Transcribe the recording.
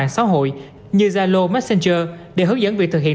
các đối tượng sử dụng các trang mạng xã hội như zalo messenger để hướng dẫn việc thực hiện